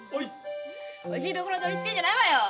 おいしいところ取りしてんじゃないわよ！